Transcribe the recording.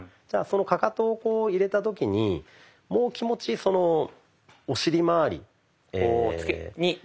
じゃあそのカカトを入れた時にもう気持ちそのお尻まわりに。